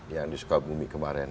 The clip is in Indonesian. yang di sukabumi kemarin